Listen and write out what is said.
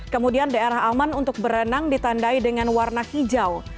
kemudian daerah aman untuk berenang ditandai dengan warna hijau